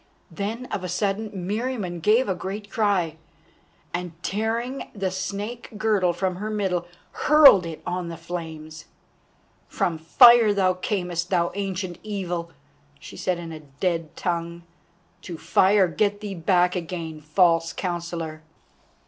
Then of a sudden Meriamun gave a great cry, and tearing the snake girdle from her middle hurled it on the flames. "From fire thou camest, thou Ancient Evil," she said in a dead tongue; "to fire get thee back again, false counsellor."